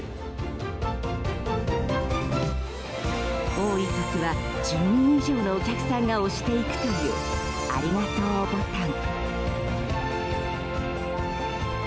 多い時は１０人以上のお客さんが押していくというありがとうボタン。